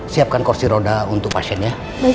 siapkan kursi roda untuk pasiennya